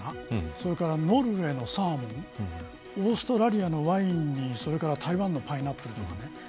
それからノルウェーのサーモンオーストラリアのワインに台湾のパイナップルとか。